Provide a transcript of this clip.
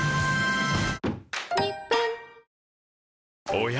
おや？